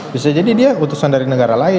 bisa jadi dia utusan dari negara lain